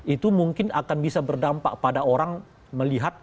itu mungkin akan bisa berdampak pada orang melihat